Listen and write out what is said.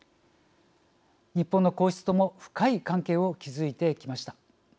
日本の皇室とも深い関係を築いてきました。